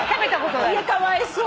かわいそう。